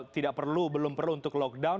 tidak perlu belum perlu untuk lockdown